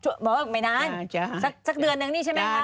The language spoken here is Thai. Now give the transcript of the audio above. เหมือนกับหมดเมื่อไหร่นาน